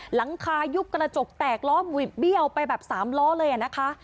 หลังคายุบกระจกแตกล้อหวิดเบี้ยวไปแบบ๓ล้อเลยนะคะ